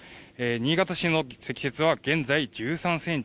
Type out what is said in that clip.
新潟市の積雪は現在１３センチ。